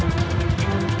ya allah ya allah